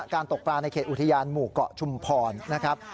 ตกปลาในเขตอุทยานหมู่เกาะชุมพรนะครับ